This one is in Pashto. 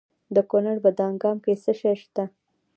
د کونړ په دانګام کې څه شی شته؟